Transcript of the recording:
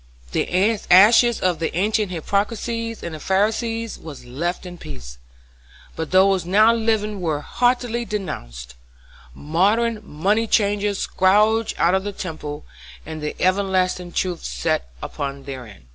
The ashes of the ancient hypocrites and Pharisees was left in peace, but those now living were heartily denounced; modern money changers scourged out of the temple, and the everlasting truth set up therein.